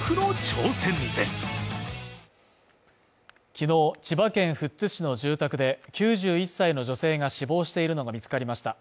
昨日千葉県富津市の住宅で、９１歳の女性が死亡しているのが見つかりました。